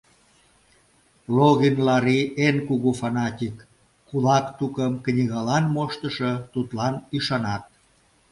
Логин Лари эн кугу фанатик, кулак тукым, книгалан моштышо — тудлан ӱшанат.